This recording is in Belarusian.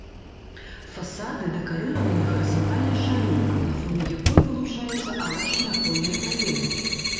Фасады дэкарыраваны гарызантальнай шалёўкай, на фоне якой вылучаюцца арачныя аконныя праёмы.